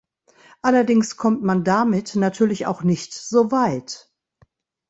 Allerdings kommt man damit natürlich auch nicht so weit.